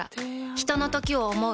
ひとのときを、想う。